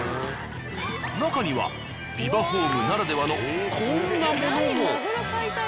なかにはビバホームならではのこんなものも。